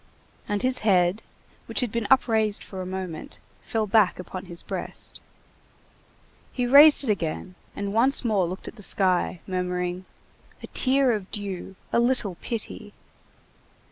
And his head, which had been upraised for a moment, fell back upon his breast. He raised it again, and once more looked at the sky, murmuring:— "A tear of dew! A little pity!"